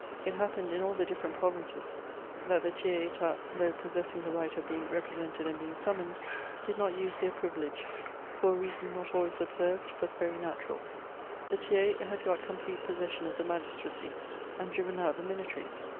It happened in all the different provinces, that the tiers Stat, though possessing the right of being repre sented and being summoned, did not use their privilege, for a p2 192 MEMOIRS OF reason not always observed, but very natural. The tiers had got complete possession of the magbtracy, and di iven out the military.